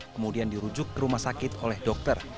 kemudian dirujuk ke rumah sakit oleh dokter